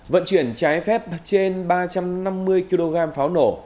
vận chuyển trái phép trên ba trăm năm mươi kg pháo nổ